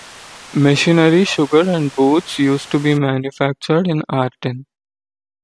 Machinery, sugar and boots used to be manufactured in Artern.